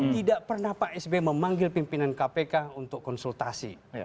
tidak pernah pak sby memanggil pimpinan kpk untuk konsultasi